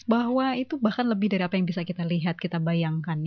bahwa itu bahkan lebih dari apa yang bisa kita lihat kita bayangkan